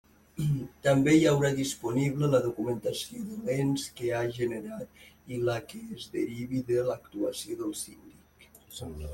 També hi haurà disponible la documentació de l'ens que ha generat i la que es derivi de l'actuació del Síndic.